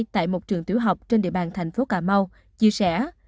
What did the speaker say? tại một trường tiểu học trên địa bàn thành phố cà mau chia sẻ